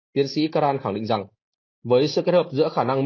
tiến sĩ karan khẳng định rằng